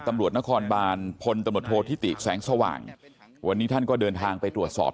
ตำรวจนครบานพลตำรวจโทษธิติแสงสว่างวันนี้ท่านก็เดินทางไปตรวจสอบ